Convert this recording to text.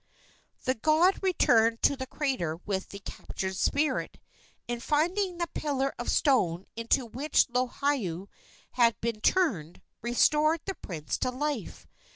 The god returned to the crater with the captured spirit, and, finding the pillar of stone into which Lohiau had been turned, restored the prince to life.